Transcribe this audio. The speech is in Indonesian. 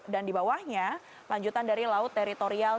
dan dibawahnya lanjutan dari laut teritorial